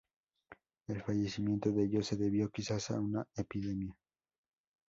El fallecimiento de ellos se debió quizás a una epidemia.